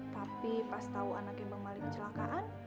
tapi pas tau anaknya bang mali kecelakaan